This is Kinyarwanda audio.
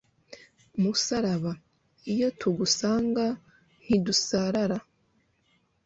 musaraba, iyo tugusanga ntidusarara